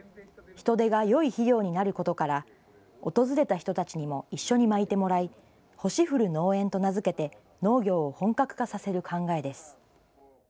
ヒトデがよい肥料になることから、訪れた人たちにも一緒にまいてもらい、星降る農園と名付けて、農業を本格化させる考えです。